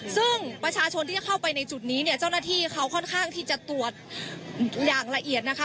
ซึ่งประชาชนที่จะเข้าไปในจุดนี้เนี่ยเจ้าหน้าที่เขาค่อนข้างที่จะตรวจอย่างละเอียดนะคะ